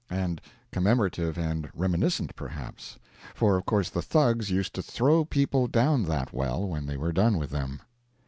And commemorative and reminiscent, perhaps; for of course the Thugs used to throw people down that well when they were done with them.